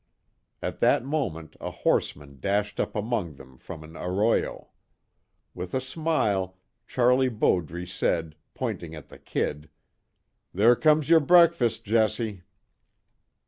At that moment a horseman dashed up among them from an arroyo. With a smile, Charlie Bowdre said, pointing at the "Kid;" "There comes your breakfast, Jesse!"